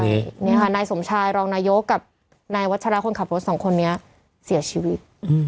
นี่ค่ะนายสมชัยเรารองนายโยกกับนายวัฒระคนขับรถ๒คนเนี่ยเสียชีวิต